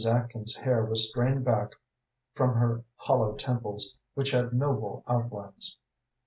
Atkins's hair was strained back from her hollow temples, which had noble outlines.